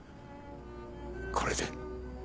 これで。